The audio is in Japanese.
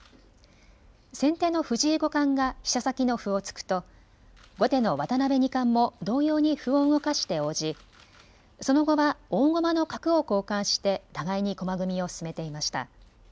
先手の藤井五冠が飛車先の歩を突くと後手の渡辺二冠も同様に歩を動かして応じ、その後は大駒の角を交換して互いに駒組みを進めていました。